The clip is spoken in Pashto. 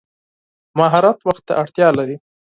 مهارت وخت ته اړتیا لري.